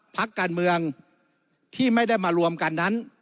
พักการเมืองที่ไม่ได้มารวมกันนั้น